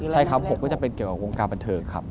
ใช่ครับ๖๓๖ก็จะเป็นกลุ่มตัวเกี่ยวกับวงการบันเทิงครับ